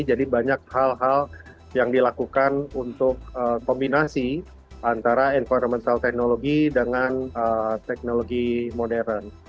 jadi banyak hal hal yang dilakukan untuk kombinasi antara environmental technology dengan teknologi modern